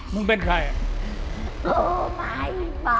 มึงเป็นใคร